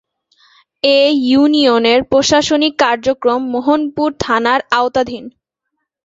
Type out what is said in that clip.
এ ইউনিয়নের প্রশাসনিক কার্যক্রম মোহনপুর থানার আওতাধীন।